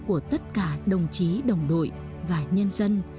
của tất cả đồng chí đồng đội và nhân dân